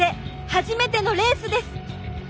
初めてのレースです。